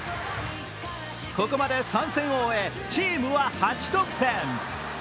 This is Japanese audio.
ここまで３戦を終え、チームは８得点。